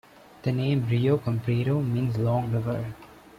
The name "Rio Comprido" means Long River.